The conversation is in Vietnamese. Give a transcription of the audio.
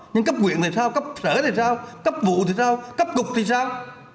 nhưng cấp huyện thì sao cấp sở thì sao cấp vụ thì sao cấp cục thì sao